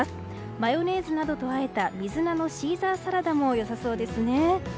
マヨネーズなどとあえた水菜のシーザーサラダも良さそうですね。